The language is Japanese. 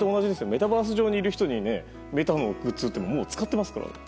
メタバース上にいる人にやってもメタのグッズってもう使っていますから。